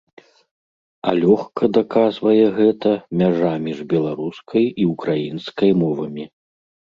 А лёгка даказвае гэта мяжа між беларускай і ўкраінскай мовамі.